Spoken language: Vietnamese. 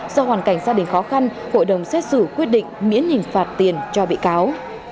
do hoàn cảnh gia đình khó khăn hội đồng xét xử quyết định miễn hình phạt tiền cho bị cáo